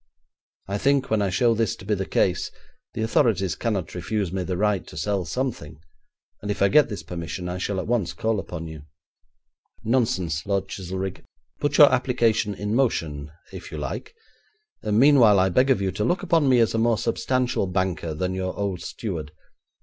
I think when I show this to be the case, the authorities cannot refuse me the right to sell something, and, if I get this permission, I shall at once call upon you.' 'Nonsense, Lord Chizelrigg. Put your application in motion, if you like. Meanwhile I beg of you to look upon me as a more substantial banker than your old steward.